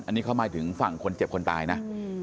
อันนี้เขาหมายถึงฝั่งคนเจ็บคนตายนะ